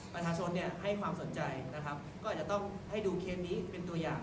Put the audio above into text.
ประชาชนเนี่ยให้ความสนใจนะครับก็อาจจะต้องให้ดูเคสนี้เป็นตัวอย่าง